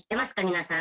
皆さん。